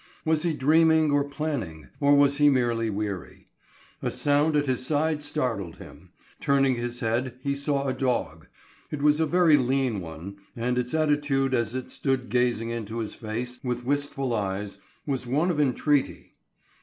Was he dreaming or planning, or was he merely weary? A sound at his side startled him. Turning his head, he saw a dog. It was a very lean one, and its attitude as it stood gazing into his face with wistful eyes, was one of entreaty.